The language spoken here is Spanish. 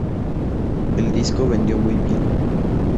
El disco vendió muy bien.